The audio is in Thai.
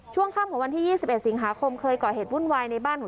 ช่วงค่ำของวันที่๒๑สิงหาคมเคยก่อเหตุวุ่นวายในบ้านของ